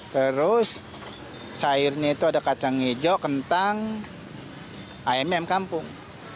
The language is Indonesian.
terus sayurnya itu ada kacang hijau kentang ayam ayam kampung